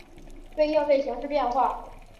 为应对形势变化